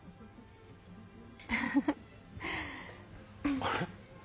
あれ？